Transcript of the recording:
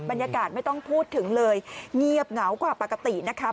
บรรยากาศไม่ต้องพูดถึงเลยเงียบเหงากว่าปกตินะคะ